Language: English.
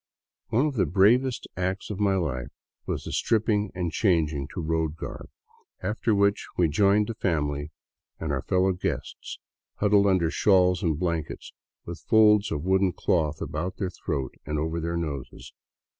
One of the bravest acts of my life was the stripping and changing to road garb, after which we joined the family and our fellow guests, huddled under shawls and blankets, with folds of woolen cloth about their throats and over their noses.